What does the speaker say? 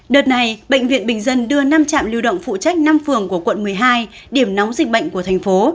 đợt này bệnh viện bình dân đưa năm trạm lưu động phụ trách năm phường của quận một mươi hai điểm nóng dịch bệnh của thành phố